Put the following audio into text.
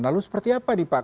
lalu seperti apa pak